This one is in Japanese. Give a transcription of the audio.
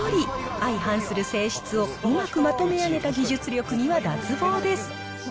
相反する性質をうまくまとめ上げた技術力には脱帽です。